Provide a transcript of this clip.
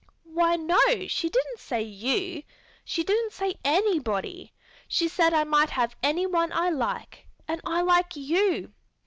"Why, no, she didn't say you. She didn't say _any_body. She said I might have anyone I like, and I like you.